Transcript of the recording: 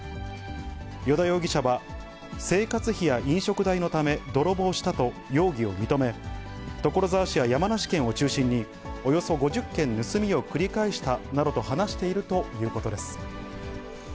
依田容疑者は、生活費や飲食代のため泥棒したと、容疑を認め、所沢市や山梨県を中心に、およそ５０件盗みを繰り返したなどと話しているということです。